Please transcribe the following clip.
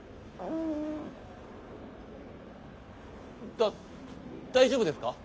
だ大丈夫ですか？